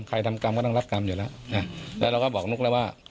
ทำกรรมก็ต้องรับกรรมอยู่แล้วแล้วเราก็บอกนุ๊กแล้วว่า